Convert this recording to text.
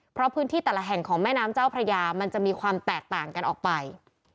เพราะพื้นที่แต่ละแห่งของแม่น้ำเจ้าพระยามันจะมีความแตกต่างกันออกไป